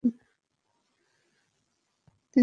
কিন্তু আবির তখন পাবনা চলে গিয়েছিলো।